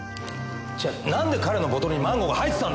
じゃあなんで彼のボトルにマンゴーが入ってたんですか！